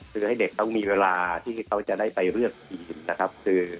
คือให้เด็กเขามีเวลาที่เขาจะได้ไปเลือกทีมนะครับ